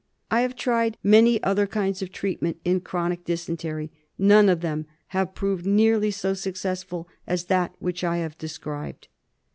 I have tried many other kinds of treatment in chronic dysentery ; none of them have proved nearly so successful as that which I have described.